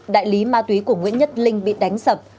đại lý ma túy của nguyễn nhất linh bị đánh sập